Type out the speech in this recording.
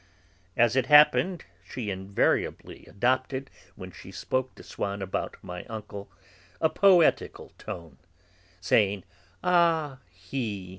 As it happened, she invariably adopted, when she spoke to Swann about my uncle, a poetical tone, saying: "Ah, he!